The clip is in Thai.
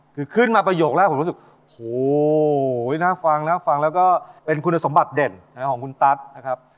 คือขึ้นมาประโยคแรกผมรู้สึกโหน่าฟังนะฟังแล้วก็เป็นคุณสมบัติเด่นของคุณตั๊ดนะครับ